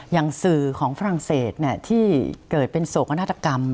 อย่างสื่อของฝรั่งเศสที่เกิดเป็นโศกนาฏกรรม